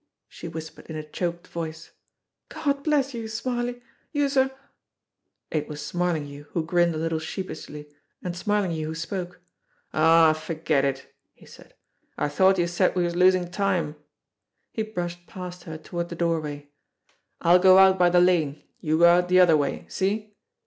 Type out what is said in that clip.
she whispered in a choked voice. "Gawd bless youse, Smarly, youse're " BEHIND DOORS OF THE UNDERWORLD 167 It was Smarlinghue who grinned a little sheepishly, and Smarlinghue who spoke. "Aw, forget it!" he said. "I thought you said we was losing time." He brushed past her toward the doorway. "I'll go out by the lane, you go out the other way. See?"